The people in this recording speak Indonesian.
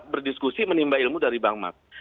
berdiskusi menimba ilmu dari bang max